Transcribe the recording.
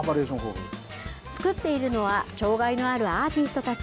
作っているのは障害のあるアーティストたち。